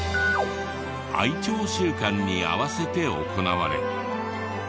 愛鳥週間に合わせて行われ。